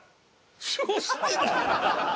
押してない！